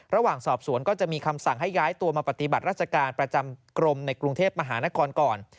ระหว่างสอบสวนก็จะมีคำสั่งให้ย้ายตัวมาปฏิบัติราชการประจำกรมในกรุงเทพมหานครก่อน